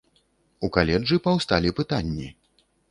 У каледжы паўсталі пытанні.